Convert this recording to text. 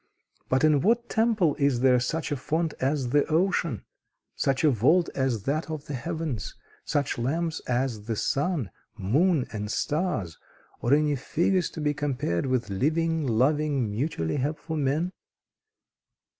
But in what temple is there such a font as the ocean; such a vault as that of the heavens; such lamps as the sun, moon, and stars; or any figures to be compared with living, loving, mutually helpful men?